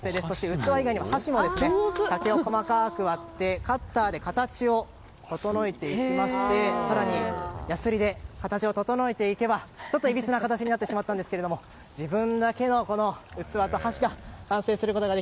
器以外に、箸も竹を細かく割ってカッターで形を整えていきまして更に、やすりで形を整えていけばちょっと、いびつな形になってしまったんですけど自分だけの器と箸が完成しました。